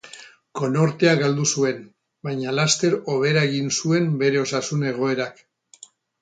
Konortea galdu zuen, baina laster hobera egin zuen bere osasun-egoerak.